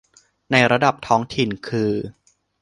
ในระดับท้องถิ่นคือ